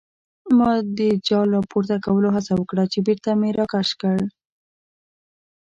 ما د جال راپورته کولو هڅه وکړه چې بېرته مې راکش کړ.